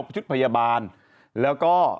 ชุดพยาบาลแล้วก็